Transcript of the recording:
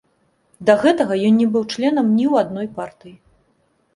Да гэтага ён не быў членам ні ў адной партыі.